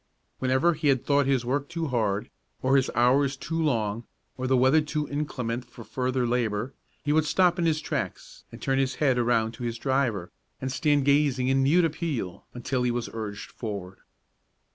Whenever he had thought his work too hard, or his hours too long, or the weather too inclement for further labor, he would stop in his tracks and turn his head around to his driver, and stand gazing in mute appeal, until he was urged forward.